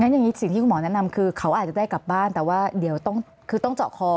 อย่างนี้สิ่งที่คุณหมอแนะนำคือเขาอาจจะได้กลับบ้านแต่ว่าเดี๋ยวต้องคือต้องเจาะคอ